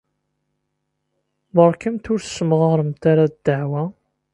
Beṛkamt ur ssemɣaremt ara ddeɛwa.